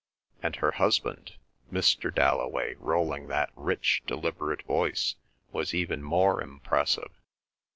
And her husband! Mr. Dalloway rolling that rich deliberate voice was even more impressive.